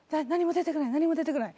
何も出てこない